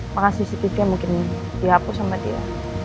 makasih cctv mungkin dihapus sama dia